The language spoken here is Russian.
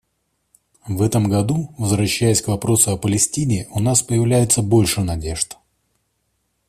В этом году, возвращаясь к вопросу о Палестине, у нас появляется больше надежд.